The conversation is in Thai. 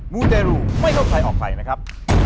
มูเจลูไม่รบใครออกไข่นะครับ